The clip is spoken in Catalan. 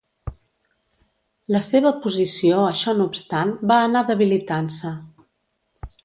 La seva posició, això no obstant, va anar debilitant-se.